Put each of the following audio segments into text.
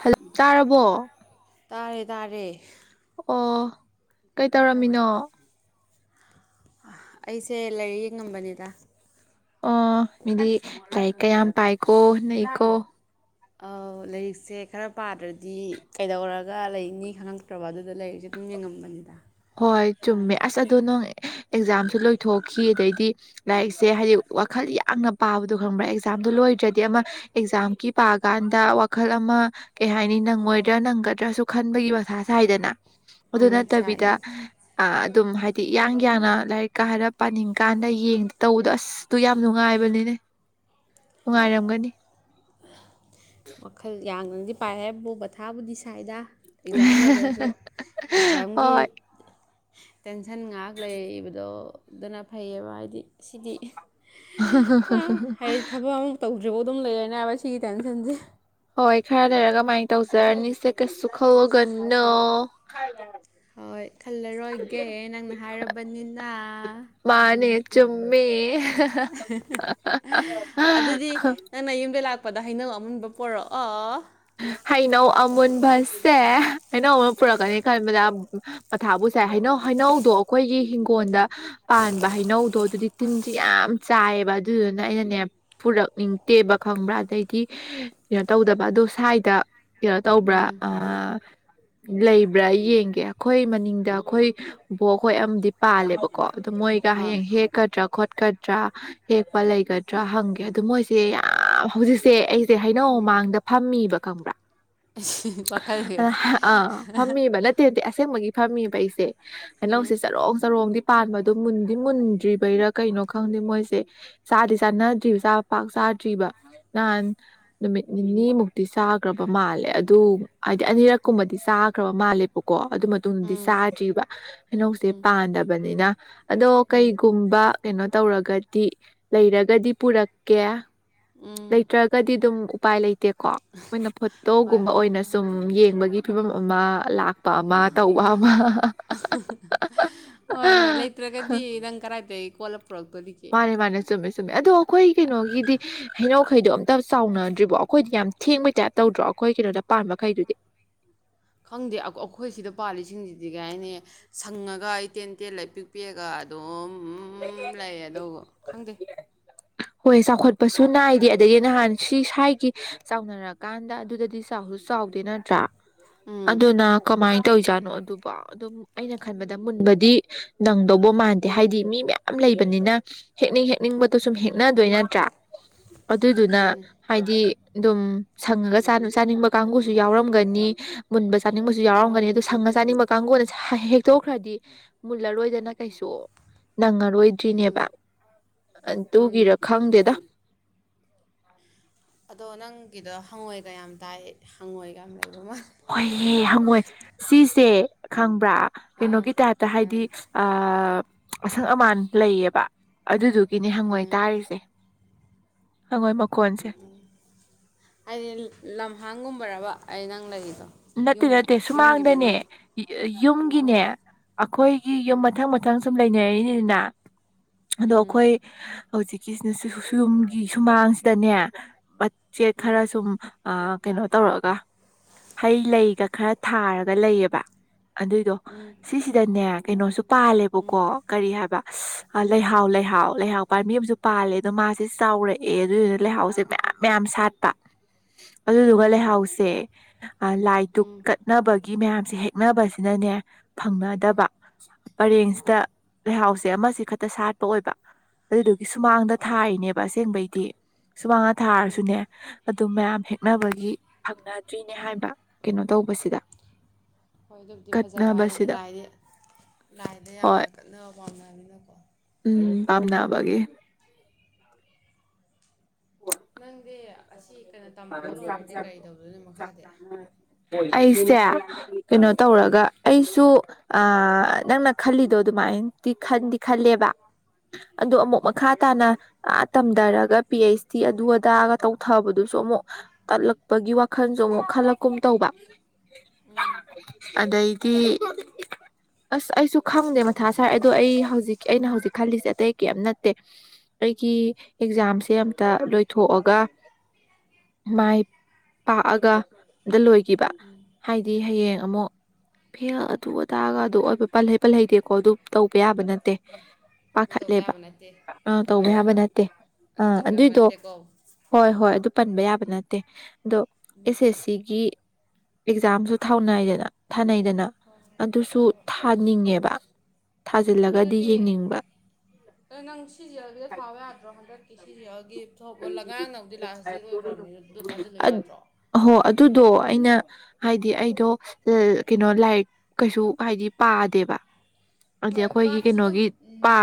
ꯍ ꯆꯥꯔꯕꯣ ꯇꯥꯔꯦ ꯇꯥꯔꯦ ꯑꯣ ꯀꯩ ꯇꯧꯔꯝꯃꯤꯅꯣ ꯑꯩꯁꯦ ꯂꯥꯏꯔꯤꯛ ꯌꯦꯉꯝꯕꯅꯤꯗ ꯑꯣ ꯃꯤꯗꯤ ꯂꯥꯏꯔꯤꯛ ꯀꯌꯥꯝ ꯄꯥꯏꯀꯣ ꯂꯩꯀꯣ ꯑꯥ ꯂꯥꯏꯔꯤꯛꯁꯦ ꯈꯔ ꯄꯥꯗ꯭ꯔꯗꯤ ꯀꯩꯗꯧꯔꯒ ꯂꯩꯅꯤ ꯈꯪꯉꯛꯇ꯭ꯔꯕ ꯑꯗꯨꯗ ꯂꯥꯏꯔꯤꯛꯁꯦ ꯑꯗꯨ ꯌꯦꯉꯝꯕꯅꯤꯗꯥ ꯍꯣꯏ ꯆꯨꯝꯃꯦ ꯑꯁ ꯑꯗꯣ ꯅꯣꯡ ꯑꯦꯛꯖꯥꯝꯁꯨ ꯂꯣꯏꯊꯣꯛꯈꯤ ꯑꯗꯩꯗꯤ ꯂꯥꯏꯔꯤꯛꯁꯦ ꯍꯥꯏꯗꯤ ꯋꯥꯈꯜ ꯌꯥꯝꯅ ꯄꯥꯕꯗꯣ ꯈꯪꯕ꯭ꯔꯥ ꯑꯦꯛꯖꯥꯝꯗꯣ ꯂꯣꯏꯗ꯭ꯔꯗꯤ ꯑꯃ ꯑꯦꯛꯖꯥꯝꯒꯤ ꯄꯥꯀꯥꯟꯗ ꯋꯥꯈꯜ ꯑꯃ ꯀꯩ ꯍꯥꯏꯅꯤ ꯅꯪꯉꯣꯏꯗ꯭ꯔꯥ ꯅꯪꯒꯗ꯭ꯔꯥꯁꯨ ꯈꯟꯕꯒꯤ ꯃꯁ ꯁ ꯍꯥꯏꯗꯅ ꯑꯗꯨ ꯎꯝ ꯅꯠꯇꯕꯤꯗ ꯁꯥꯏꯗ ꯑ꯫ ꯑꯗꯨꯝ ꯍꯥꯏꯗꯤ ꯏꯌꯥꯡ ꯌꯥꯅ ꯂꯥꯏꯔꯤꯛ ꯀꯥ ꯍꯔ ꯄꯥꯅꯤꯡ ꯀꯥꯟꯗ ꯌꯦꯡ ꯇꯧꯕꯗꯣ ꯑꯁꯇꯨ ꯌꯥꯝ ꯅꯨꯡꯉꯥꯏꯕꯅꯤꯅꯦ꯫ ꯍꯣꯏ ꯅꯨꯡꯉꯥꯏꯔꯝꯒꯅꯤ ꯋꯥꯈꯜ ꯌꯥꯡꯅꯗꯤ꯫ ꯄꯥꯏ ꯕꯨ ꯃꯥ ꯊꯥꯕꯨꯗꯤꯁꯥꯏꯗ꯫ ꯑꯦꯛꯖꯥꯝ ꯂꯣꯏꯈ꯭ꯔꯁꯨ ꯑꯦꯛꯖꯥꯝꯒꯤ꯫ ꯍꯣꯏ ꯇꯦꯟꯁꯟ ꯉꯥꯏꯍꯥꯛ ꯂꯩꯕꯗꯣ꯫ ꯑꯗꯨꯅ ꯐꯩꯌꯦꯕ ꯍꯥꯏꯗꯤ ꯁꯤꯗꯤ ꯑ꯫ ꯇꯧꯗ꯭ꯔꯤꯕꯥꯎ ꯑꯗꯨꯝ ꯂꯩꯔꯦꯅꯦ ꯍꯥꯏꯕ ꯁꯤꯒꯤ ꯇꯦꯟꯁꯟꯁꯦ꯫ ꯍꯣꯏ ꯈꯔ ꯂꯩꯔ ꯀꯃꯥꯏꯅ ꯇꯧꯖꯔꯅꯤꯁꯦ ꯀꯩꯁꯨ ꯈꯜꯂꯨꯒꯅꯨ꯫ ꯍꯣꯏ ꯈꯜꯂꯔꯣꯏꯒꯦ ꯅꯪꯅ ꯍꯥꯏꯔꯕꯅꯤꯅ꯫ ꯆꯨꯝꯃꯤ꯫ [unintelligible] ꯂꯄꯗ ꯍꯩꯅꯧ ꯑꯃꯨꯟꯕ ꯄꯣꯔꯛꯑꯣ꯫ ꯍꯩꯅꯧ ꯑꯃꯨꯟꯕꯁꯦ ꯍꯩꯅꯧ ꯑꯃ ꯄꯨꯔꯛꯀꯅꯤ ꯈꯟꯕꯗ ꯃꯊꯥꯕꯨ ꯁꯥꯏ ꯍꯩꯅꯧ ꯍꯩꯅꯧꯗꯣ ꯑꯩꯈꯣꯏꯒꯤ ꯍꯤꯡꯒꯣꯜꯗ ꯄꯥꯟꯕ ꯍꯩꯅꯧꯗꯣ ꯑꯗꯨꯗꯤ ꯇꯤꯟꯁꯦ ꯌꯥꯝ ꯆꯥꯏꯌꯦꯕ ꯑꯗꯨꯗꯨꯅ ꯑꯩꯅꯅꯦ ꯄꯨꯔꯛꯅꯤꯡꯗꯦꯕ ꯈꯪꯕ꯭ꯔꯥ ꯑꯗꯩꯗꯤ ꯀꯩꯅꯣ ꯇꯧꯗꯕ ꯑꯗꯨꯗ꯫ ꯁ꯭ꯋꯥꯏꯗ꯫ ꯀꯩꯅꯣ ꯇꯧꯕ꯭ꯔꯥ ꯎꯝ ꯑ꯫ ꯂꯩꯕ꯭ꯔꯥ ꯌꯦꯡꯒꯦ ꯑꯩꯈꯣꯏ ꯃꯅꯤꯡꯗ ꯑꯩꯈꯣꯏ ꯕꯣꯛ ꯈꯣꯏꯗ ꯑꯃꯗꯤ ꯄꯥꯜꯂꯦꯕꯀꯣ꯫ ꯑꯗꯨ ꯃꯣꯏꯒ ꯑꯥ ꯍꯌꯦꯡ ꯍꯦꯛꯀꯗ꯭ꯔꯥ ꯈꯣꯠꯇ꯭ꯔꯥ ꯆꯠꯀꯗ꯭ꯔꯥ ꯍꯦꯛꯄ ꯂꯩꯒꯗ꯭ꯔꯥ ꯍꯪꯒꯦ ꯑꯗꯨ ꯃꯣꯏꯁꯦ ꯌꯥꯝ ꯍꯧꯖꯤꯛꯁꯦ ꯑꯩ꯫ ꯁꯦ ꯍꯩꯅꯧ ꯃꯥꯡꯗ ꯐꯝꯃꯤ꯫ ꯕꯔꯥ ꯋꯥꯈꯜ ꯑ ꯐꯝꯃꯤꯕ ꯅꯠꯇꯦ ꯅꯠꯇꯦ꯫ ꯑꯁꯦꯪꯕꯒꯤ ꯐꯝꯃꯤꯕꯥ ꯑꯩꯖ ꯍꯩꯅꯧꯁꯦ ꯎꯝ ꯆꯔꯣꯡ ꯆꯔꯣꯡꯗꯤ ꯄꯥꯟꯕꯗꯣ ꯃꯨꯟꯗꯤ ꯃꯨꯟꯗ꯭ꯔꯤꯕꯩꯔꯥ ꯀꯩꯅꯣ ꯈꯪꯗꯦ ꯃꯣꯏꯁꯦ ꯆꯥꯗꯤ ꯆꯥꯟꯅꯗ꯭ꯔꯤꯕ ꯆꯥꯕ ꯄꯥꯛ ꯆꯥꯗ꯭ꯔꯤꯕ ꯅꯍꯥꯟ ꯅꯨꯃꯤꯠ ꯅꯤꯅꯤꯃꯨꯛ ꯗꯤ ꯆꯥꯈ꯭ꯔꯕ ꯃꯥꯜꯂꯦ ꯑꯗꯨ ꯍꯥꯏꯗꯤ ꯑꯅꯤꯔꯛꯀꯨꯝꯕꯗꯤ ꯆꯥꯈ꯭ꯔꯕ ꯃꯥꯜꯂꯦꯕꯀꯣ ꯑꯗꯨ ꯃꯇꯨꯡꯗꯗꯤ ꯎꯝ ꯆꯥꯗ꯭ꯔꯤꯕ ꯀꯩꯅꯧꯁꯦ ꯎꯝ ꯄꯥꯟꯗꯕꯅꯤꯅ ꯑꯗꯣ ꯎꯝ ꯀꯩꯒꯨꯝꯕ ꯀꯩꯅꯣ ꯇꯧꯔꯒꯗꯤ ꯂꯩꯔꯒꯗꯤ ꯄꯨꯔꯛꯀꯦ ꯎꯝ ꯂꯩꯇ꯭ꯔꯒꯗꯤ ꯑꯗꯨꯝ ꯎꯄꯥꯏ ꯂꯩꯇꯦꯀꯣ ꯑꯩꯣꯏꯅ ꯍꯣꯏ ꯐꯣꯇꯣꯒꯨꯝꯕ ꯍꯣꯏ ꯑꯣꯏꯅ ꯍꯣꯏ ꯁꯨꯝ ꯌꯦꯡꯕꯒꯤ ꯐꯤꯕꯝ ꯑꯃ ꯑꯃ ꯂꯥꯛ ꯍꯣꯏ ꯍꯣꯏ ꯂꯩꯇ꯭ꯔꯒꯗꯤ ꯅꯪ ꯀꯗꯥꯏꯗ ꯀꯣꯜ ꯃꯥꯅꯦ ꯃꯥꯅꯦ ꯆꯨꯝꯃꯦ ꯆꯨꯝꯃꯦ ꯑꯗꯣ ꯑꯩꯈꯣꯏ ꯀꯩꯅꯣꯒꯤꯗꯤ ꯍꯩꯅ ꯃꯈꯩꯗꯣ ꯑꯝꯇ ꯆꯥꯎꯥꯎꯅꯗ꯭ꯔꯤꯕꯣ ꯑꯩꯈꯣꯏꯗꯤ ꯌꯥꯝ ꯊꯦꯡꯕꯩ ꯇꯥꯏꯞ ꯇꯧꯗ꯭ꯔꯣ ꯑꯩꯈꯣꯏ ꯀꯩꯅꯣꯗ ꯄꯥꯟꯕꯥ ꯃꯈꯩꯗꯨꯗꯤ ꯈꯪꯗꯦ ꯑꯩꯈꯣꯏ ꯁꯤꯗ ꯄꯥꯜꯂꯤꯁꯤꯡꯁꯤꯗꯤ ꯑꯗꯨ ꯀꯥꯏꯅꯤ ꯁꯪꯉꯒ ꯑꯩ ꯇꯦꯟ ꯇꯦꯜ ꯂꯩ ꯄꯤꯛꯄꯤꯛꯑꯒ ꯗꯣꯝ ꯎꯝ ꯂꯩꯑ ꯑꯗꯨꯕ ꯈꯪꯗꯦ ꯍꯣꯏ ꯆꯥꯎꯈꯠꯄꯁꯨ ꯅꯥꯏꯗꯦ ꯑꯗꯒꯤ ꯅꯍꯥꯟ ꯁꯤ ꯁ꯭ꯋꯥꯏꯒꯤ ꯆꯥꯎꯅꯔꯛꯀꯥꯟꯗ ꯑꯗꯨꯗꯗꯤ ꯆꯥꯎꯁꯨ ꯆꯥꯎꯗꯦ ꯅꯠꯇ꯭ꯔꯥ ꯎꯝ ꯑꯗꯨꯅ ꯀꯃꯥꯏ ꯇꯧꯖꯥꯠꯅꯣ ꯑꯗꯨꯕ ꯑꯗꯨꯝ ꯑꯩꯅ ꯈꯟꯕꯗ ꯃꯨꯟꯕꯗꯤ ꯅꯪꯗꯧꯕ ꯃꯥꯟꯗꯦ ꯍꯥꯏꯗꯤ ꯃꯤ ꯃꯌꯥꯝ ꯂꯩꯕꯅꯤꯅ ꯍꯦꯛꯅꯤꯡ ꯍꯦꯛꯅꯤꯡꯕꯗꯣ ꯁꯨꯝ ꯍꯦꯛ ꯅꯗꯣꯏ ꯅꯠꯇ꯭ꯔꯥ ꯑꯗꯨꯗꯨꯅ ꯃꯥꯅꯦ ꯍꯥꯏꯗꯤ ꯑꯗꯨꯝ ꯁꯪꯉꯒ ꯆꯥꯅꯤꯡꯕ ꯀꯥꯡꯕꯨꯨꯁꯨ ꯌꯥꯎꯔꯝꯒꯅꯤ ꯃꯨꯟꯕ ꯆꯥꯅꯤꯡꯕꯁꯨ ꯌꯥꯎꯔꯝꯒꯅꯤ ꯑꯗꯨ ꯌꯥꯎꯔꯝꯅꯤ ꯁꯪꯉ ꯆꯥꯅꯤꯡꯕ ꯀꯥꯡꯕꯨꯅꯁ ꯍꯦꯛ ꯇꯧꯈ꯭ꯔꯗꯤ ꯃꯨꯜꯂꯔꯣꯏꯗꯅ ꯀꯩꯁꯨ ꯎꯝ ꯅꯪꯉꯔꯣꯏꯗ꯭ꯔꯤꯅꯦꯕ ꯎꯝ ꯇꯨꯒꯤꯔ ꯈꯪꯗꯦ ꯑ ꯑꯗꯣ ꯅꯪꯒꯤꯗꯣ ꯍꯪꯉꯣꯏꯒ ꯌꯥꯝ ꯇꯥꯏ ꯍꯪꯉꯣꯏꯒ ꯌꯥꯝ ꯂꯩꯕ ꯃ ꯍꯣꯏꯍꯦ ꯍꯪꯉꯣꯏ ꯁꯤꯁꯦ ꯈꯪ ꯭ꯔ ꯑꯥ ꯀꯩꯅꯣꯒꯤ ꯇꯥꯏꯞꯇ ꯍꯥꯏꯗꯤ ꯑꯥ ꯑ ꯑꯁꯪ ꯑꯃꯥꯟ ꯂꯩꯌꯦꯕ ꯑꯗꯨꯗꯨ ꯒꯤꯅꯦ ꯍꯪꯉꯣꯏ ꯎꯝ ꯇꯥꯔꯤꯁꯦ ꯍꯪꯉꯣꯏ ꯃ ꯍꯥꯏꯗꯤ ꯂꯝ ꯑꯍꯥꯡꯒꯨꯝꯕꯔꯕ ꯑꯩ ꯅꯪ ꯂꯩ ꯅꯠꯇꯦ ꯅꯠꯇꯦ ꯁꯨꯃꯥꯡꯗꯅꯦ ꯌꯨꯝꯒꯤꯅꯦ ꯑꯣ ꯑꯩꯈꯣꯏꯒꯤ ꯌꯨꯝ ꯑꯥ ꯃꯊꯪ ꯃꯊꯪ ꯁꯨꯝ ꯂꯩꯅꯔꯤꯅꯤꯗꯥꯅ ꯑꯥꯗꯣ ꯎꯝ ꯑꯩꯈꯣꯏ ꯍꯧꯖꯤꯛꯀꯤꯁꯤꯅ ꯌꯨꯝꯒꯤ ꯁꯨꯃꯥꯡꯁꯤꯗꯅꯦ ꯃꯆꯦꯠ ꯑꯥ ꯈꯔ ꯁꯨꯝ ꯑꯥ ꯀꯩꯅꯣ ꯇꯧꯔꯒ ꯍꯩ ꯂꯩꯒ ꯈꯔ ꯊꯥꯔꯒ ꯂꯩꯌꯦꯕ ꯑꯗꯨꯏꯗꯣ ꯎꯝ ꯁꯤꯁꯤꯗꯅꯦ ꯀꯩꯅꯣꯁꯨ ꯄꯥꯜꯂꯦꯕꯀꯣ ꯀꯔꯤ ꯍꯥꯏꯕ ꯑ ꯂꯩꯍꯥꯎ ꯂꯩꯍꯥꯎ ꯂꯩꯍꯥꯎ ꯄꯥꯟꯕꯤ ꯑꯃꯁꯨ ꯄꯥꯜꯂꯦ ꯑꯗꯣ ꯃꯥꯁꯦ ꯆꯥꯎꯔꯛꯑꯦ ꯑꯗꯨꯗꯨꯅ ꯂꯩꯍꯥꯎꯁꯦ ꯃꯌꯥꯝ ꯃꯌꯥꯝ ꯁꯥꯠꯄ ꯑꯗꯨꯗꯨꯒ ꯎꯝ ꯂꯩꯍꯥꯎꯁꯦ ꯂꯥꯏ ꯗꯨꯨꯛ ꯎꯝ ꯀꯠꯅꯕꯒꯤ ꯃꯌꯥꯝꯁꯦ ꯍꯦꯛꯅꯕꯁꯤꯅꯅꯦ ꯐꯪꯅꯗꯕ ꯄꯔꯦꯡꯁꯤꯗ ꯂꯩꯍꯥꯎꯁꯦ ꯑꯃꯁꯤ ꯈꯛꯇ ꯁꯥꯠꯄ ꯑꯣꯏꯕ ꯑꯗꯨꯗꯨ ꯁꯨꯃꯥꯡꯗ ꯍꯣꯏ ꯊꯥꯔꯤꯅꯦꯕ ꯑꯁꯦꯡꯕꯩ ꯗꯤ ꯁꯨꯃꯥꯡꯗꯥ ꯊꯥꯔꯁꯨꯅꯦ ꯑꯗꯨꯝ ꯃꯌꯥꯝ ꯍꯦꯛꯅꯕꯒꯤ ꯐꯪꯅ ꯭ꯗꯔꯤꯅꯦ ꯍꯥꯏꯕ ꯀꯩꯅꯣ ꯇꯧꯕꯁꯤꯗ ꯍꯣꯏ ꯑꯗꯨꯕꯨꯗꯤ ꯐꯖꯕ ꯍꯥꯏꯁꯦ ꯀꯠꯅꯕꯁꯤꯗ ꯂꯥꯏꯗ ꯂꯥꯏꯗ ꯍꯣꯏ ꯌꯥꯝꯅ ꯀꯠꯅꯕ ꯄꯥꯟꯅꯅꯤꯅꯀꯣ ꯎꯝ ꯄꯥꯝꯅꯕꯒꯤ ꯅꯪꯗꯤ ꯑꯁꯤ ꯀꯩꯅꯣ ꯇꯝꯕꯒ ꯂꯣꯏꯔꯗꯤ ꯀꯔꯤ ꯇꯧꯗꯣꯏꯅꯣ ꯃꯈꯥꯗꯤ ꯑꯩꯁꯦ ꯀꯩꯅꯣ ꯎꯝ ꯇꯧꯔꯒ ꯑꯩꯁꯨ ꯑ ꯅꯪꯅ ꯈꯜꯂꯤꯗꯣ ꯑꯗꯨꯃꯥꯏꯅꯗꯤ ꯈꯟꯗꯤ ꯈꯜꯂꯦꯕ ꯑꯗꯣ ꯑꯃꯨꯛ ꯃꯈꯥ ꯇꯥꯅ ꯑꯥ ꯗꯔꯒ ꯄꯤ ꯍꯩꯁ ꯗꯤ ꯑꯗꯨ ꯑꯗꯥꯑꯒ ꯇꯧꯊꯕꯗꯨ ꯁꯨ ꯑꯃꯨꯛ ꯇꯜꯂꯛꯄꯒꯤ ꯋꯥꯈꯜꯁꯨ ꯑꯃꯨꯛ ꯈꯜꯂꯛꯀꯨꯝ ꯇꯧꯕ ꯎꯝ ꯑꯗꯩꯗꯤ ꯑꯁ ꯑꯩꯁꯨ ꯈꯪꯗꯦ ꯃꯊꯥ ꯁꯥꯏ ꯑꯗꯣ ꯑꯩ ꯍꯧꯖꯤꯛ ꯑꯩꯅ ꯍꯧꯖꯤꯛ ꯈꯜꯂꯤꯁꯦ ꯑꯇꯩ ꯀꯔꯤꯝ ꯅꯠꯇꯦ ꯑꯩꯒꯤ ꯑꯦꯛꯖꯥꯝꯁꯦ ꯑꯝꯇ ꯂꯣꯏꯊꯣꯛꯑꯒ ꯃꯥꯏ ꯄꯥꯛꯑꯒ ꯂꯣꯏꯈꯤꯕ ꯍꯥꯏꯗꯤ ꯍꯌꯦꯡ ꯎꯝ ꯑꯃꯨꯛ ꯇꯥꯡꯑꯗꯨ ꯑꯗꯨ ꯄꯜꯍꯩ ꯄꯜꯍꯩꯗꯦꯀꯣ ꯑꯗꯨ ꯇꯧꯕ ꯌꯥꯕ ꯅꯠꯇꯦ ꯑꯗꯨ ꯇꯧꯕ ꯄꯥꯈꯠꯂꯦꯕ ꯌꯥꯕ ꯅꯠꯇꯦ ꯑ ꯇꯧꯕ ꯃꯥꯅꯦ ꯌꯥꯕ ꯅꯠꯇꯦ ꯑꯗꯨ ꯑꯥ ꯇꯧꯕ ꯌꯥꯕ ꯑꯗꯨꯏꯗꯣ ꯅꯠꯇꯦꯀꯣ ꯍꯣꯏ ꯍꯣꯏ ꯑꯗꯨ ꯄꯟꯕ ꯌꯥꯕ ꯅꯠꯇꯦ ꯑꯗꯣ ꯑꯦꯁ ꯑꯦꯁ ꯁꯤꯒꯤ ꯑꯦꯛꯖꯥꯝꯁꯨ ꯊꯥꯎꯅꯥꯏꯗꯅ ꯊꯥꯅꯩꯗꯅ ꯑꯗꯨꯁꯨ ꯍꯣꯏ ꯍꯣꯏ ꯊꯥꯅꯤꯡꯉꯦꯕ ꯊꯥꯖꯤꯜꯂꯒꯗꯤ ꯑꯗꯨꯗꯤ ꯌꯦꯡꯅꯤꯡꯕ ꯑꯗꯣ ꯅꯪ ꯁꯤꯖꯕꯤꯗ ꯊꯥꯕ ꯌꯥꯗ꯭ꯔꯣ ꯍꯟꯗꯛ ꯀꯤꯁ ꯌꯥꯒꯦ ꯊꯣꯛ ꯂꯒꯥꯡꯅꯕꯨꯗꯤ ꯂꯥꯁ ꯗꯦꯠ ꯑꯣꯏꯈ꯭ꯔꯕꯅꯤ ꯑꯗꯨꯗꯣ ꯊꯥꯖꯤꯜꯂꯨ ꯌꯥꯗ꯭ꯔꯣ ꯍꯣ ꯑꯗꯨꯗꯣ ꯑꯩꯅ ꯍꯥꯏꯗꯤ ꯎꯝ ꯑꯩꯗꯣ ꯀꯩꯅꯣ ꯂꯥꯏꯔꯤꯛ ꯀꯩꯁꯨ ꯍꯥꯏꯗꯤ ꯄꯥꯗꯦꯕ ꯑꯗꯨꯗꯤ ꯍꯣꯏ ꯑꯩꯈꯣꯏꯒꯤ ꯕꯥꯔꯠꯇꯁꯨ ꯑꯗꯨꯝ ꯀꯩꯅꯣꯒꯤ ꯄ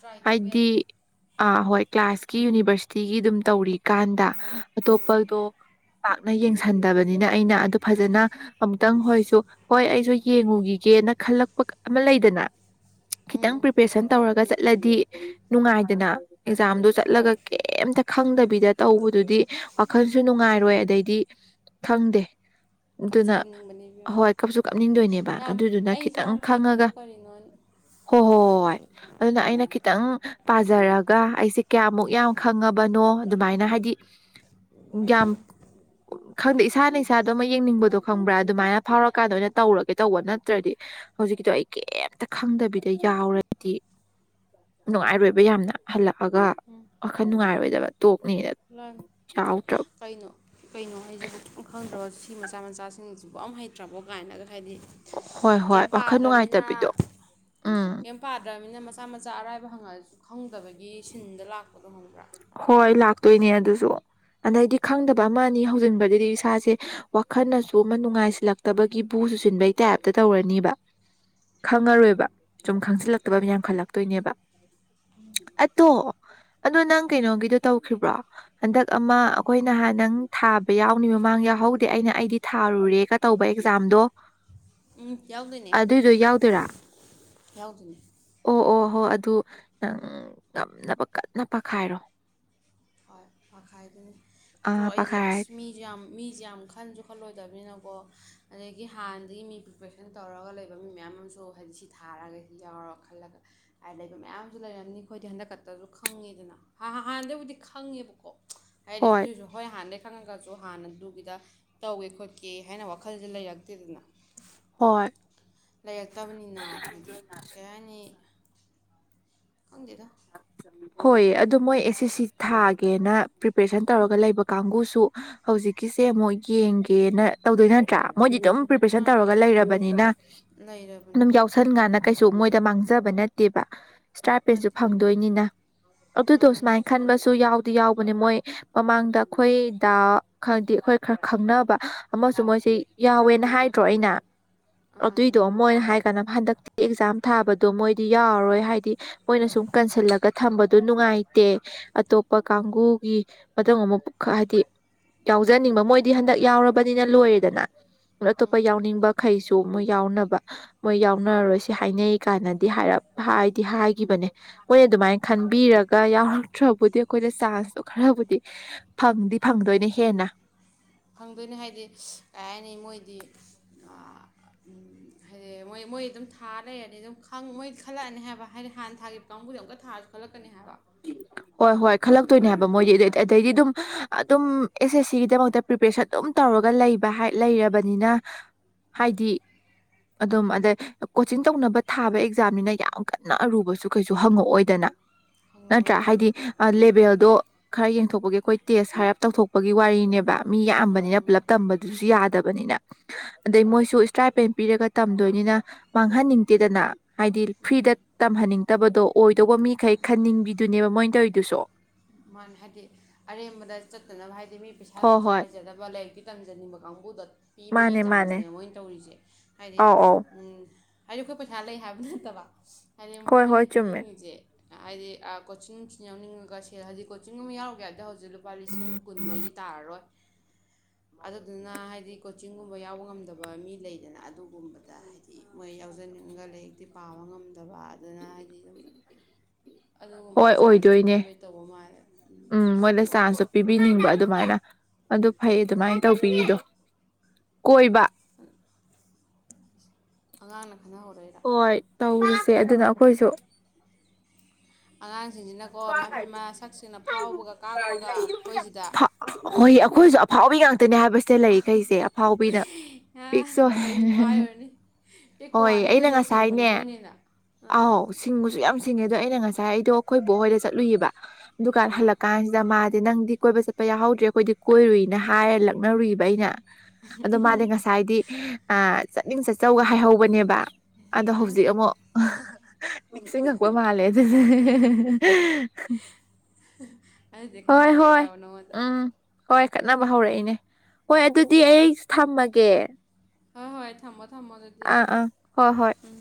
ꯇ꯭ꯔꯥꯏ ꯇꯧꯕ ꯍꯥꯏꯗꯤ ꯌꯥꯏꯅ ꯑ ꯍꯣꯏ ꯀ꯭ꯂꯥꯁꯀꯤ ꯌꯨꯅꯤꯚꯔꯁꯤ ꯁꯤꯒꯤ ꯑꯗꯨꯝ ꯇꯧꯔꯤꯀꯥꯟꯗ ꯇꯣꯞꯄꯔꯗꯣ ꯌꯦꯡꯁꯟꯗꯕꯅꯤꯅ ꯑꯩꯅ ꯑꯗꯨ ꯐꯖꯅ ꯑꯃꯨꯛꯇꯪ ꯍꯣꯏꯁꯨ ꯍꯣꯏ ꯑꯩꯁꯨ ꯌꯦꯡꯉꯨꯈꯤꯒꯦꯅ ꯈꯜꯂꯛꯄ ꯑꯃ ꯂꯩꯗꯅ ꯎꯝ ꯈꯤꯇꯪ ꯎꯝ ꯄ꯭ꯔꯤꯄꯦꯁꯟ ꯇꯧꯔꯒ ꯆ ꯆꯠꯂꯗꯤ ꯅꯨꯡꯉꯥꯏꯗꯅ ꯑꯦꯛꯖꯥꯝꯗꯣ ꯍꯣꯏ ꯆꯠꯂꯒ ꯩꯝꯇ ꯈꯪꯗꯕꯤꯗ ꯇꯧꯕꯗꯨꯗꯤ ꯋꯥꯈꯜꯁꯨ ꯅꯨꯡꯉꯥꯏꯔꯣꯏ ꯑꯗꯩꯗꯤ ꯈꯪꯗꯦ ꯀꯞꯁꯨ ꯑꯗꯨꯅ ꯀꯞꯅꯤꯡꯕꯅꯦ ꯏꯕꯦꯝꯃ ꯍꯣꯏ ꯀꯞꯁꯨ ꯀꯞꯅꯤꯡꯗꯣꯏꯅꯦꯕ ꯌꯥꯝ ꯑꯗꯨꯗꯨꯅ ꯑꯩꯁꯦ ꯈꯤꯇꯪ ꯌꯥꯝ ꯍꯩꯇ꯭ꯔꯕꯣ ꯈꯪꯉꯒ ꯀꯔꯤꯅꯣ ꯍꯣꯏ ꯍꯣꯏ ꯍꯣꯏ ꯑꯗꯨꯅ ꯑꯩꯅ ꯈꯤꯇꯪ ꯄꯥꯖꯔꯒ ꯑꯩꯁꯦ ꯀꯌꯥꯃꯨꯛ ꯌꯥꯝ ꯣ ꯑꯗꯨꯃꯥꯏꯅ ꯍꯥꯏꯗꯤ ꯌꯥꯝ ꯈꯪꯗꯦ ꯏꯁꯥꯅ ꯏꯁꯥꯗꯣ ꯑꯃ ꯌꯦꯡꯅꯤꯡꯕꯗꯣ ꯈꯪꯕ꯭ꯔꯥ ꯑꯗꯨꯃꯥꯏꯅ ꯐꯥꯎꯔꯀꯥꯟꯗ ꯑꯣꯏꯅ ꯇꯧꯔꯒꯦ ꯇꯧꯕ ꯅꯠꯇ꯭ꯔꯗꯤ ꯍꯧꯖꯤꯛꯀꯤꯗꯣ ꯑꯩ ꯀꯩꯝꯇ ꯈꯪꯗꯕꯤꯗ ꯌꯥꯎꯔꯗꯤ ꯅꯨꯡꯉꯥꯏꯔꯣꯏꯕ ꯌꯥꯝꯅ ꯍꯜꯂꯛꯄ ꯍꯒ ꯋꯥꯈꯜ ꯅꯨꯡꯉꯥꯏꯔꯣꯏꯗꯕ ꯍꯣꯏ ꯌꯥꯎꯗ꯭ꯔꯕ ꯀꯩꯅꯣ ꯀꯩꯅꯣ ꯍꯥꯏꯁꯤꯕꯨ ꯈꯪꯗꯁꯤ ꯁꯤ ꯃꯆꯥ ꯃꯆꯥꯁꯤꯡꯁꯤꯕꯨ ꯑꯃꯝ ꯍꯩꯇ꯭ꯔꯕꯣ ꯀꯥꯏꯅꯒ ꯍꯥꯏꯗꯤ ꯍꯣꯏ ꯍꯣꯏ ꯀꯦꯝ ꯋꯥꯈꯜ ꯄꯥꯗ꯭ꯔꯅꯤꯅ ꯅꯨꯡꯉꯥꯏꯇꯕꯤꯗꯣ ꯎꯝ ꯀꯩ ꯄꯥꯗ꯭ꯔꯕꯅꯤꯅ ꯃꯆꯥ ꯃꯆꯥ ꯑꯔꯥꯏꯕ ꯍꯪꯉꯛꯑꯁꯨ ꯈꯪꯗꯕꯒꯤ ꯁꯤꯟꯗ ꯂꯥꯛ ꯍꯣꯏ ꯂꯥꯛꯇꯣꯏꯅꯦ ꯑ ꯑꯗꯨꯁꯨ ꯑꯗꯩꯗꯤ ꯈꯪꯗꯕ ꯑꯃꯅꯤ ꯍꯧꯖꯤꯟꯕꯗꯗꯤ ꯏꯁꯥꯁꯦ ꯋꯥꯈꯜꯅꯁꯨ ꯑꯃ ꯅꯨꯡꯉꯥꯏꯁꯤꯜꯂꯛꯇꯕꯒꯤ ꯕꯨ ꯆꯨꯁꯤꯟꯕꯩ ꯇꯥꯏꯞꯇ ꯇꯧꯔꯅꯤꯕ ꯈꯪꯉꯔꯣꯏꯕ ꯁꯨꯝ ꯈꯪꯁꯤꯜꯂꯛꯇꯕ ꯑꯃ ꯌꯥꯝ ꯈꯜꯂꯛꯇꯣꯏꯅꯦꯕ ꯑꯇꯣ ꯑꯗꯣ ꯅꯪ ꯀꯩꯅꯣꯒꯤꯗꯣ ꯇꯧꯈꯤꯕ꯭ꯔꯣ ꯍꯟꯗꯛ ꯑꯃ ꯑꯩꯈꯣꯏ ꯅꯍꯥꯟ ꯅꯪ ꯊꯥꯕ ꯌꯥꯎꯅꯤ ꯃꯃꯥꯡ ꯌꯥꯎꯍꯧꯗꯦ ꯑꯩꯅ ꯑꯩꯗꯤ ꯊꯥꯔꯨꯔꯦꯒ ꯇꯧꯕ ꯑꯦꯛꯖꯥꯝꯗꯣ ꯎꯝ ꯌꯥꯎꯗꯣꯏꯅꯦ ꯑꯗꯨꯏꯗꯣ ꯌꯥꯎꯗꯣꯏꯔꯥ ꯌꯥꯎꯗꯣꯏꯅꯦ ꯑꯣ ꯑꯣ ꯍꯣ ꯑꯗꯨ ꯅꯪ ꯉꯝꯅꯕ ꯀ ꯅ ꯄꯛꯈꯥꯏꯔꯣ꯫ ꯍꯣꯏ ꯃꯈꯥꯏꯗꯨꯅꯤ ꯑꯗꯣ ꯑꯥ ꯑꯩꯁꯦ ꯑꯁ ꯄꯥꯈꯥꯏꯔꯗꯤ ꯃꯤꯁꯨ ꯌꯥꯝ ꯃꯤꯁꯦ ꯌꯥꯝ ꯈꯟꯁꯨ ꯈꯜꯂꯣꯏꯗꯕꯅꯤꯅꯀꯣ꯫ ꯑꯗꯒꯤ ꯍꯥꯟꯅꯗꯒꯤ ꯃꯤ ꯄ꯭ꯔꯤꯄꯦꯔꯦꯁꯟ ꯇꯧꯔꯒ ꯂꯩꯕ ꯃꯤ ꯃꯌꯥꯝ ꯑꯃꯁꯨ ꯍꯥꯏꯗꯤ ꯁꯤ ꯊꯥꯔꯒ ꯁꯤ ꯌꯥꯎꯔ ꯈꯜꯂꯒ ꯍꯥꯏ ꯂꯩꯕ ꯃꯌꯥꯝ ꯑꯃꯁꯨ ꯂꯩꯔꯝꯅꯤ ꯑꯩꯈꯣꯏꯗꯤ ꯍꯟꯗꯛ ꯀꯛꯇꯁꯨ ꯈꯪꯉꯤꯗꯅ ꯍꯥꯟꯗꯩꯕꯨꯖꯤꯛ꯫ ꯈꯪꯉꯦꯕꯀꯣ꯫ ꯍꯥꯏꯗꯤ ꯑꯗꯨꯏꯁꯨ ꯍꯣꯏ ꯍꯥꯟꯅꯗꯛ꯫ ꯈꯪꯉꯒꯁꯨ ꯍꯥꯟꯅꯗꯨꯒꯤꯗ ꯇꯧꯋꯦ ꯈꯣꯠꯀꯦ ꯍꯥꯏꯅ ꯋꯥꯈꯜꯁꯦ ꯂꯩꯔꯛꯇꯦꯗꯅ꯫ ꯍꯣꯏ꯫ ꯂꯩꯔꯛꯇꯕꯅꯤꯅ ꯍꯥꯏꯗꯤ ꯀꯩ ꯍꯥꯏꯅꯤ꯫ ꯈꯪꯗꯦꯗꯥ꯫ ꯍꯣꯏ ꯑꯗꯨꯗꯣ ꯃꯣꯏ ꯑꯦꯁ ꯑꯦ ꯁꯤ ꯊꯥꯒꯦꯅ ꯄ꯭ꯔꯤꯄꯦꯔꯦꯁꯟ ꯇꯧꯔꯒ ꯂꯩꯕ ꯀꯥꯡꯕꯨꯁꯨ ꯍꯧꯖꯤꯛꯀꯤꯁꯦ ꯑꯃꯨꯛ ꯌꯦꯡꯒꯦꯅ ꯇꯧꯗꯣꯏ ꯅꯠꯇ꯭ꯔꯥ꯫ ꯃꯣꯏꯗꯤ ꯑꯗꯨꯝ ꯄ꯭ꯔꯤꯄꯦꯁꯟ ꯃꯥꯅꯦ ꯇꯧꯔꯒ ꯂꯩꯔꯕꯅꯤꯅ ꯑꯗꯨꯝ ꯂꯩꯔꯕꯅꯦ ꯌꯥꯎꯁꯟ ꯀꯟꯗꯥ꯫ ꯀꯩꯁꯨ ꯃꯣꯏꯗ ꯃꯥꯡꯖꯕ ꯅꯠꯇꯦꯕ꯫ ꯁꯇ꯭ꯔꯥꯏꯄꯦꯟꯗ ꯁꯨ꯫ ꯅꯠꯇꯦ ꯐꯪꯗꯣꯏꯅꯤꯅ ꯑꯗꯨꯗꯣ ꯃꯥꯅꯦ ꯁꯨꯃꯥꯏꯅ ꯈꯟꯕꯁꯨ ꯌꯥꯎꯗꯤ ꯌꯥꯎ ꯃꯣꯏ ꯃꯃꯥꯡꯗ ꯑꯩꯈꯣꯏꯗ ꯈꯪꯗꯤ ꯑꯩꯈꯣꯏ ꯈꯔ ꯈꯪꯅꯕ ꯑꯃꯁꯨ ꯃꯣꯏꯁꯤ ꯌꯥꯎꯋꯦꯅ ꯍꯥꯏꯗ꯭ꯔꯣ ꯑꯩꯅ꯫ ꯑ ꯑꯥ ꯑꯥ ꯑꯗꯨꯏ ꯇꯣ ꯃꯣꯏ ꯍ꯫ ꯀꯅꯣ ꯍꯟꯗꯛꯇꯤ ꯑꯦꯛꯖꯥꯝ ꯊꯥꯕꯗꯣ ꯃꯣꯏꯗꯤ ꯌꯥꯎꯔꯔꯣꯏ ꯍꯥꯏꯗꯤ ꯃꯣꯏꯅ ꯁꯨꯝ ꯀꯟꯁꯤꯜꯂꯒ ꯊꯝꯕꯗꯨ ꯅꯨꯡꯉꯥꯏꯇꯦ ꯑꯇꯣꯞꯄ ꯀꯥꯡꯕꯨꯨꯒꯤ ꯃꯇꯨꯡ ꯑꯃ ꯍꯥꯏꯗꯤ ꯌꯥꯎꯖꯅꯤꯡꯕ ꯃꯣꯏꯗꯤ ꯍꯟꯗꯛ ꯌꯥꯎꯔꯕꯅꯤꯅ ꯂꯣꯏꯔꯦꯗꯅ ꯑꯇꯣꯞꯄ ꯌꯥꯎꯅꯤꯡꯕꯈꯩꯁꯨ ꯃꯣꯏ ꯌꯥꯎꯅꯕ ꯃꯣꯏ ꯌꯥꯎꯅꯔꯔꯣꯏꯁꯤ ꯍꯥꯏꯅꯩ ꯀꯥꯟꯅꯗꯤ ꯍꯥꯏꯔꯞ ꯍꯥꯏꯗꯤ ꯍꯥꯏꯈꯤꯕꯅꯦ ꯃꯣꯏꯅ ꯑꯗꯨꯃꯥꯏꯅ ꯈꯟꯕꯤꯔꯒ ꯌꯥꯎꯔꯛꯇ꯭ꯔꯕꯨꯗꯤ ꯑꯩꯈꯣꯏꯅ ꯆꯥꯟꯁꯇꯣ ꯈꯔꯕꯨꯗꯤ ꯐꯪꯗꯤ ꯐꯪꯗꯣꯏꯅ ꯍꯦꯟꯅ꯫ ꯐꯪꯗꯣꯏꯅꯤ ꯍꯥꯏꯗꯤ ꯀꯩ ꯍꯥꯏꯅꯤ ꯃꯣꯏꯗꯤ ꯍꯥꯏꯗꯤ ꯃꯣꯏ ꯃꯣꯏ ꯑꯗꯨꯝ ꯊꯥ ꯂꯩꯔꯅꯤ ꯑꯗꯨꯝ ꯃꯣꯏ ꯈꯜꯂꯛꯑꯅꯤ ꯍꯥꯏꯕ ꯍꯥꯏꯗꯤ ꯍꯥꯟꯅ ꯊꯥꯒꯤ ꯀꯥꯡꯕꯨꯁ ꯑꯃꯨꯀ ꯊꯥꯔꯁꯨ ꯈꯜꯂꯛꯀꯅꯤ ꯍꯥꯏꯕ ꯍꯣꯏ ꯍꯣꯏ ꯈꯜꯂꯛꯇꯣꯏꯅꯦ ꯍꯥꯏꯕ ꯃꯣꯏꯗꯤ ꯑꯗꯨꯗꯤ ꯑꯗꯩꯗꯤ ꯑꯗꯨꯝ ꯑꯗꯨꯝ ꯑꯦꯁ ꯑꯦꯁ ꯁꯤꯒꯤꯗꯃꯛꯇ ꯄ꯭ꯔꯤꯄꯦꯔꯦꯁꯟ ꯑꯗꯨꯝ ꯇꯧꯔꯒ ꯂꯩꯕ ꯂꯩꯔꯕꯅꯤꯅ ꯍꯥꯏꯗꯤ ꯑꯗꯨꯝ ꯑꯗꯩ ꯀꯣꯆꯤꯡ ꯇꯧꯅꯕ ꯊꯥꯕ ꯑꯦꯛꯖꯥꯝꯅꯤꯅ ꯌꯥꯝ ꯀꯟꯅ ꯑꯔꯨꯕꯁꯨ ꯀꯩꯁꯨ ꯍꯪꯉꯛꯑꯣꯏꯗꯅ ꯈꯪꯉꯔꯣꯏ ꯅꯠꯇ꯭ꯔꯥ ꯍꯥꯏꯗꯤ ꯎꯝ ꯂꯦꯕꯦꯜꯗꯣ ꯈꯔ ꯌꯦꯡꯊꯣꯛꯄꯒꯤ ꯑꯩꯈꯣꯏ ꯇꯦꯁ ꯍꯥꯏꯔꯞ ꯇꯧꯊꯣꯛꯄꯒꯤ ꯋꯥꯔꯤꯅꯦꯕ ꯃꯤ ꯌꯥꯝꯕꯅꯤꯅ ꯃꯥꯅꯤ ꯄꯨꯂꯞ ꯇꯝꯕꯗꯨꯁꯨ ꯌꯥꯗꯕ ꯕꯅꯤꯅ ꯑꯗꯩ ꯃꯣꯏꯁꯨ ꯏꯁꯇ꯭ꯔꯥꯏꯄꯦꯟ ꯄꯤꯔꯒ ꯇꯝꯗꯣꯏꯅꯤꯅ ꯃꯥꯡꯍꯟꯅꯤꯡꯗꯦꯗꯅ ꯍꯥꯏꯗꯤ ꯐ꯭ꯔꯤꯗ ꯃꯥꯅꯤ ꯇꯝꯍꯟꯅꯤꯡ ꯠꯇꯕꯗꯣ ꯑꯣꯏꯗꯧꯕ ꯃꯤꯈꯩ ꯈꯟꯅꯤꯡ ꯑꯗꯨꯅꯦꯕ ꯃꯣꯏꯅ ꯇꯧꯔꯤꯗꯨꯁꯨ ꯃꯥ ꯍꯥꯏꯗꯤ ꯑꯔꯦꯝꯕꯗ ꯆꯠꯇꯅꯕ ꯍꯥꯏ ꯃꯤ ꯄꯩꯁꯥꯔ ꯍꯣꯏ ꯍꯣꯏ ꯁꯥꯅ ꯆꯗꯕ ꯂꯩ ꯇꯝꯖꯅꯤꯡꯕ ꯀꯥꯡꯕꯨꯗ ꯄꯤꯕꯒꯤ ꯃꯥꯅꯦ ꯃꯥꯅꯦ ꯆꯥꯟꯁꯅꯦ ꯃꯣꯏꯅ ꯇꯧꯔꯤꯁꯦ ꯍꯥꯏꯗꯤ ꯑꯧ ꯑꯧ ꯎꯝ ꯍꯥꯏꯗꯤ ꯑꯩꯈꯣꯏ ꯄꯩꯁꯥ ꯂꯩ ꯍꯥꯏꯕ ꯅꯠꯇꯕ ꯍꯥꯏꯗꯤ ꯍꯣꯏ ꯃꯣꯏꯅ ꯍꯣꯏ ꯆꯨꯝꯃꯦ ꯄꯤꯅꯤꯡꯉꯤꯖꯦ ꯍꯥꯏꯗꯤ ꯑꯥ ꯀꯣꯆꯤꯡ ꯁꯤ ꯌꯥꯎꯅꯤꯡꯉꯒ ꯍꯦ ꯍꯖꯤꯛ ꯀꯣꯆꯤꯡ ꯒꯨꯝ ꯌꯥꯎꯔꯨꯒꯦ ꯍꯥꯏꯕꯗ ꯍꯧꯖꯤꯛ ꯍꯧꯖꯤꯛ ꯂꯨꯄꯥ ꯂꯤꯁꯤꯡ ꯀꯨꯟꯗꯩꯗꯤ ꯇꯥꯔꯔꯣꯏ ꯑꯗꯨꯗꯨꯅ ꯍꯥꯏꯗꯤ ꯀꯣꯆꯤꯡꯒꯨꯝꯕ ꯌꯥꯎꯕ ꯉꯝꯗꯕ ꯃꯤ ꯂꯩꯗꯅ ꯑꯗꯨꯒꯨꯝꯕꯗ ꯍꯥꯏꯗꯤ ꯃꯣꯏ ꯌꯥꯎꯖꯅꯤꯡꯉꯒ ꯂꯥꯏꯔꯤꯛꯇꯤ ꯄꯥꯕ ꯉꯝꯗꯕ ꯑꯗꯨꯅ ꯍꯥꯏꯗꯤ ꯗꯨꯝ ꯑꯗꯨꯒꯨꯝꯕꯗ ꯍꯣꯏ ꯆꯥꯟꯁ ꯑꯣꯏꯗꯣꯏꯅꯦ ꯄꯤꯅꯤꯡꯕꯩ ꯇꯧꯕ ꯃꯥꯜꯂꯦ ꯎꯝ ꯃꯣꯏꯗ ꯆꯥꯟꯁꯁꯨ ꯄꯤꯕꯤꯅꯤꯡꯕ ꯑꯗ ꯑꯗꯨꯃꯥꯏꯅ ꯑꯗꯨ ꯐꯩ ꯑꯗꯨꯃꯥꯏ ꯇꯧꯕꯤꯔꯤꯗꯣ ꯀꯣꯏꯕ [inaudible] ꯑꯉꯥꯡꯅ ꯈꯟꯅꯍꯧꯔꯛꯏꯔ ꯍꯣꯏ ꯇꯧꯔꯤꯁꯦ ꯁꯦ ꯑꯗꯨꯅ ꯑꯩꯈꯣꯏꯁꯨ ꯑꯉꯥꯡ ꯁꯤꯡꯁꯤꯅꯀꯣ ꯃꯃꯤꯃꯥ ꯁꯛꯁꯤꯡꯅ ꯐꯥꯎꯕꯒ ꯀꯥꯛꯄꯒ ꯑꯩꯈꯣꯏꯁꯤꯗ ꯍꯣꯏ ꯑꯩꯈꯣꯏꯁꯨ ꯑꯐꯥꯎꯕꯤ ꯉꯥꯡ ꯇꯅꯦ ꯍꯥꯏꯕꯁꯤꯗ ꯂꯩꯔꯤꯈꯩꯁꯦ ꯑꯐꯥꯎꯕꯤꯗ ꯑꯥ ꯄꯤꯛꯆꯣ ꯀꯔꯤꯕꯨ ꯍꯥꯏꯔꯨꯔꯅꯤ ꯄꯤꯛꯄ ꯍꯣꯏ ꯋꯥꯅꯤ ꯑꯩꯅ ꯑꯩꯈꯣꯏꯗ ꯍꯦꯟꯅ ꯉꯁꯥꯏꯅꯦ ꯁꯤꯡꯕꯅꯤ ꯃꯣꯏꯅ ꯍꯦꯟꯅ ꯑꯥ ꯑꯥꯎ ꯁꯤꯡꯕꯨꯁꯨ ꯌꯥꯝ ꯁꯤꯡꯉꯦꯗꯣ ꯑꯩꯅ ꯉꯁꯥꯏ ꯑꯩꯗꯣ ꯑꯩꯈꯣꯏ ꯕꯣꯍꯣꯏꯗ ꯆꯠꯂꯨꯏꯕ ꯗꯨꯀꯥꯟ ꯑꯥ ꯍꯜꯂꯛ ꯀꯥꯟꯁꯤꯗ ꯃꯥ ꯗꯣ ꯅꯪꯗꯤ ꯀꯣꯏꯕ ꯆꯠꯄ ꯌꯥꯍꯧꯗ꯭ꯔꯦ ꯑꯩꯈꯣꯏꯗꯤ ꯀꯣꯏꯔꯨꯏꯅ ꯍꯥꯏꯔ ꯂꯛꯅꯔꯨꯏꯕ ꯑꯩꯅ ꯑꯗꯨ ꯃꯥꯗꯤ ꯉꯁꯥꯏꯗꯤ ꯑꯥ ꯆꯠꯅꯤꯡ ꯆꯠꯆꯧꯒ ꯍꯥꯏꯍꯧꯕꯅꯦꯕ ꯑꯗꯣ ꯑꯥ ꯍꯧꯖꯤꯛ ꯑꯃꯨꯛ ꯅꯤꯡꯁꯤꯡꯉꯛꯄ ꯃꯥꯜꯂꯦ ꯑꯗꯨꯗꯤ ꯑꯗꯨꯗꯩ ꯈꯠꯅ ꯍꯧꯔꯛꯏꯔꯕ ꯅꯉꯣꯟꯗ ꯀꯠꯅꯕ ꯍꯧꯔꯛꯏꯅꯦ ꯍꯣꯏ ꯑꯗꯨꯗꯤ ꯑꯩ ꯊꯝꯃꯒꯦ ꯍꯣꯏ ꯍꯣꯏ ꯊꯝꯃꯣ ꯊꯝꯃꯣ ꯑꯗꯨꯗꯤ ꯑꯥ ꯑꯥ ꯍꯣꯏ ꯍꯣꯏ ꯎꯝ